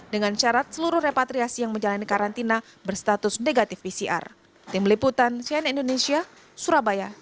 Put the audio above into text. dengan syarat seluruh repatriasi yang menjalani karantina berstatus negatif pcr